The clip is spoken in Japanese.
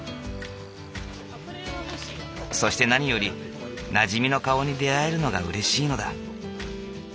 そして何よりなじみの顔に出会えるのがうれしいのだ。